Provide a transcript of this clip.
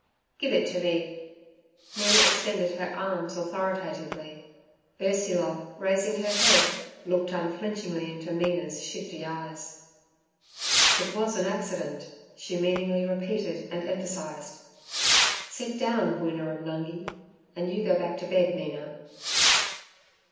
'Give it to me.' Mina extended her arms authoritatively. Ursula, raising her head, looked unflinchingly into Mina's shifty eyes. 'It was an accident' she meaningly repeated and emphasized. 'Sit down, Woona and Nungi, and you go back to bed, Mina.'